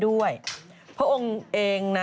สวัสดีค่ะ